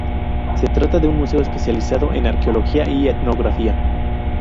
Se trata de un museo especializado en arqueología y etnografía.